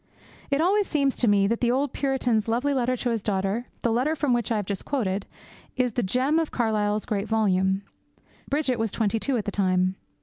It always seems to me that the old Puritan's lovely letter to his daughter, the letter from which I have just quoted, is the gem of Carlyle's great volume. Bridget was twenty two at the time.